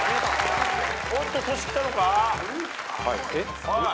おっとトシきたのか？